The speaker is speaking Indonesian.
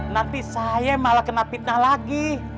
nanti saya malah kena fitnah lagi